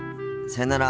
さよなら。